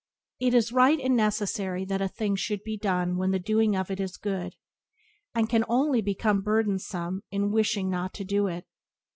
If it is right and necessary that a thing should be done then the doing of it is good, and it can only become burdensome in wishing not to do it.